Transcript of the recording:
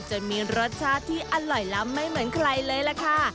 จนมีรสชาติที่อร่อยล้ำไม่เหมือนใครเลยล่ะค่ะ